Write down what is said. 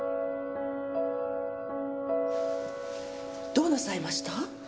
どうなさいました？